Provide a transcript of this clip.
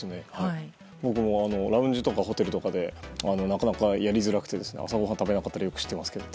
僕もラウンジとかホテルとかでなかなかやりづらくて朝ご飯を食べなかったりしてますけど。